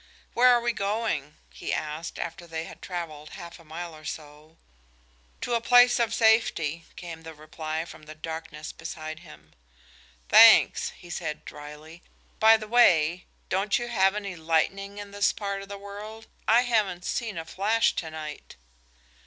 "Where are we going?" he asked, after they had traveled half a mile or so. "To a place of safety," came the reply from the darkness beside him. "Thanks," he said, drily. "By the way, don't you have any lightning in this part of the world? I haven't seen a flash to night."